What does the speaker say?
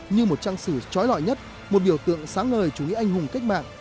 như một trang sử trói lọi nhất một biểu tượng sáng ngời chủ nghĩa anh hùng cách mạng